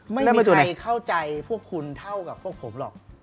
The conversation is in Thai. ไม่มีใครเข้าใจพวกคุณเท่ากับพวกผมหรอก